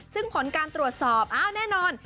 ซึ่งผลการตรวจสอบอ้าวแน่นอน